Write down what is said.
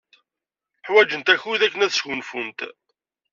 Ḥwajent akud akken ad sgunfunt.